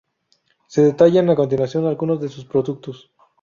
Se detallan a continuación algunos de sus productos.